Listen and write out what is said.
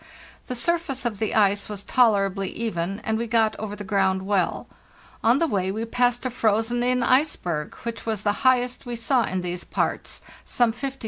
The surface of the ice was tolerably even and we got over the ground well. On the way we passed a frozen in iceberg, which was the highest we saw in these parts—some 50 to 60 feet, I should say.